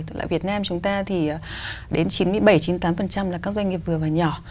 tại việt nam chúng ta thì đến chín mươi bảy chín mươi tám là các doanh nghiệp vừa và nhỏ